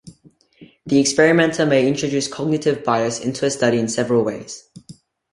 The experimenter may introduce cognitive bias into a study in several ways.